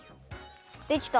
できた！